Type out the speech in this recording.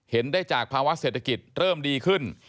เห็นได้จากภาวะเศรษฐกิจเริ่มดีขึ้น